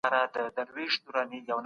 که ميرمن ناپوه وي، ممکن شاکره وي